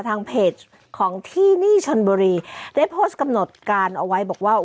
ทางเพจของที่นี่ชนบุรีได้โพสต์กำหนดการเอาไว้บอกว่า